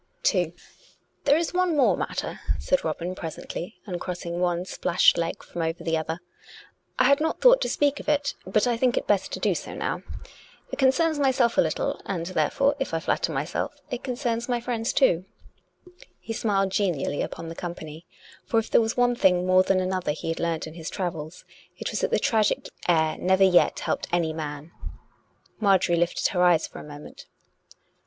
II " There is one more matter," said Robin presently, un crossing one splashed leg from over the other. " I had not thought to speak of it; but I think it best now to do so. It concerns myself a little; and, therefore, if I may flatter myself, it concerns my friends, too," He smiled genially upon the company; for if there was one thing more than another he had learned in his travels, it was that the tragic air never yet helped any man. Marjorie lifted her eyes a moment.